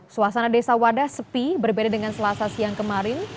suasana desa wadas sepi berbeda dengan selasa siang kemarin